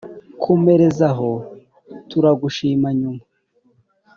komereza aho turagushima nyuma